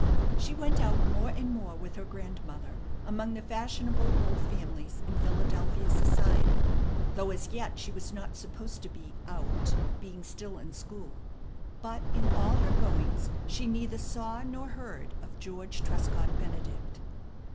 She went out more and more with her grandmother among the fashionable old families in Philadelphia society, though as yet she was not supposed to be "out," being still in school; but in all her goings she neither saw nor heard of George Trescott Benedict.